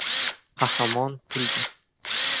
— Qahramon kuldi.